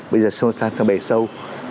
bây giờ sang bề sâu